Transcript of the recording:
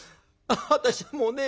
私はもうね